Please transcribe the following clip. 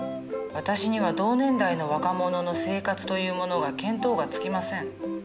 私には同年代の若者の生活というものが見当がつきません。